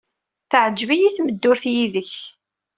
Teɛjeb-iyi tmeddurt yid-k.